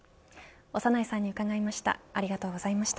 長内さんに伺いました。